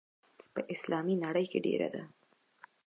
په اسلامي نړۍ کې ډېره ده.